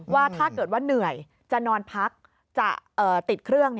ว่าถ้าเกิดว่าเหนื่อยจะนอนพักจะติดเครื่อง